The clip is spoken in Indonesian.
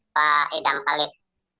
pak idham khalid